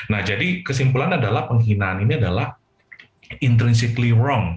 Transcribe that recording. nah jadi kesimpulan adalah penghinaan ini adalah intrinsically wrong